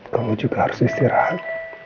kamu juga harus istirahat